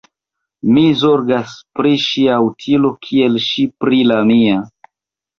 Mi zorgas pri ŝia utilo kiel ŝi pri la mia.